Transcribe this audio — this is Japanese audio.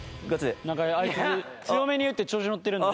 なんかあいつ強めに打って調子乗ってるんで。